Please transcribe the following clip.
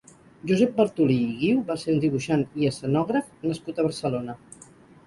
Josep Bartolí i Guiu va ser un dibuixant i escenògraf nascut a Barcelona.